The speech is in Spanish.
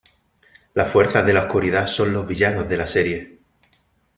Las Fuerzas de la Oscuridad son los villanos de la serie.